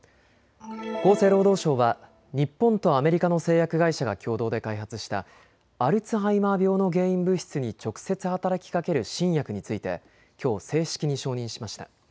厚生労働省は日本とアメリカの製薬会社が共同で開発したアルツハイマー病の原因物質に直接働きかける新薬についてきょう、正式に承認しました。